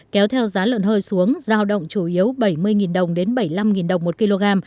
kéo theo giá lợn hơi xuống giao động chủ yếu bảy mươi đồng đến bảy mươi năm đồng một kg